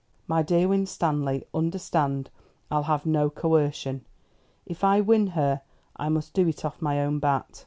"My dear Winstanley, understand I'll have no coercion. If I win her, I must do it off my own bat.